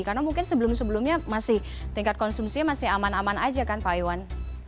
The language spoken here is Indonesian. karena mungkin sebelum sebelumnya masih tingkat konsumsi masih aman aman aja kan pak iwan